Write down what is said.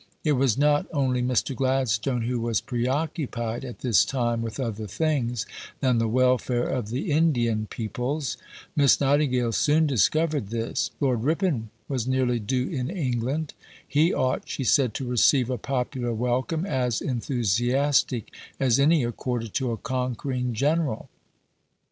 It was not only Mr. Gladstone who was preoccupied at this time with other things than the welfare of the Indian peoples. Miss Nightingale soon discovered this. Lord Ripon was nearly due in England. He ought, she said, to receive a popular welcome as enthusiastic as any accorded to a conquering General.